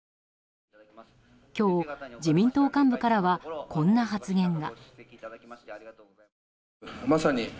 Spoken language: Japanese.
今日、自民党幹部からはこんな発言が。